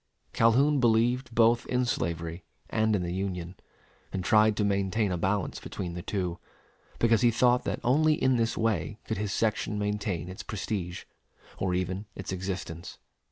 Calhoun believed both in slavery and in the Union, and tried to maintain a balance between the two, because he thought that only in this way could his section maintain its prestige or even its existence.